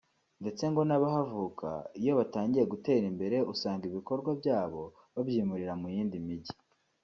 ndetse ngo n’abahavuka iyo batangiye gutera imbere usanga ibikorwa byabo babyimurira mu yindi mijyi